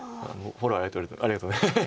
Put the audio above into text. フォローありがとうございます。